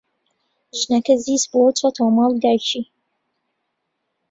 ژنەکە زیز بووە و چۆتەوە ماڵی دایکی.